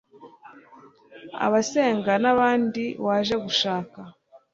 abasenga n'abandi waje gushaka